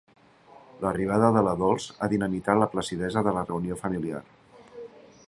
L'arribada de la Dols ha dinamitat la placidesa de la reunió familiar.